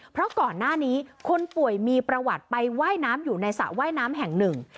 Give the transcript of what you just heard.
เพราะก่อนหน้านี้คนป่วยมีประวัติไปว่ายน้ำอยู่ในสระว่ายน้ำแห่งหนึ่ง